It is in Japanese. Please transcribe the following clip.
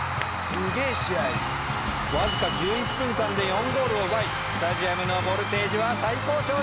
すげえ試合」わずか１１分間で４ゴールを奪いスタジアムのボルテージは最高潮に！